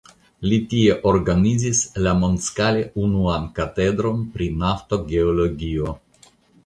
Li tie organizis la mondskale unuan katedron pri naftogeologio.